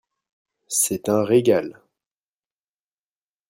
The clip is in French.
C'est un régal !